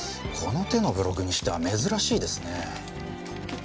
この手のブログにしては珍しいですね。